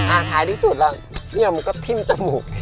ท้ายที่สุดแล้วเนี่ยมันก็ทิ้มจมูก